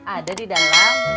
ada di dalam